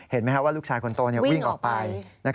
เห็นไหมครับว่าลูกชายคนโตวิ่งออกไป